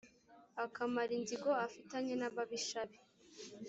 akamara inzigo afitanye n’ababisha be.